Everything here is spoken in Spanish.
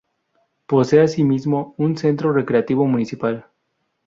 Posee asimismo un Centro Recreativo Municipal.